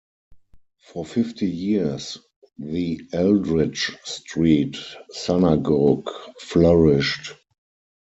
For fifty years, the Eldridge Street Synagogue flourished.